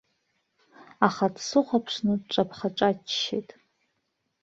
Аха дсыхәаԥшны дҿаԥха-ҿаччеит.